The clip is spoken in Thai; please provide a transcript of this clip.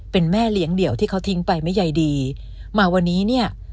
เป็นแม่เลี้ยงเดี่ยวที่เขาทิ้งไปไม่ใหญ่ดีมาวันนี้เนี่ย